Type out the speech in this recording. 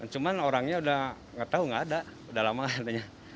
cuman orangnya udah nggak tahu nggak ada udah lama katanya